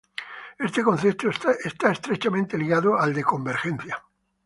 Este concepto está estrechamente ligado al de convergencia.